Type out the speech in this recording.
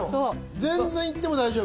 全然行っても大丈夫。